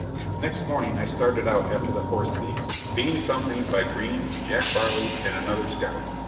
Next morning I started out after the horse thieves, being accompanied by Green, Jack Farley, and another scout.